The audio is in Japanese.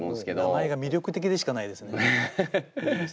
名前が魅力的でしかないですね。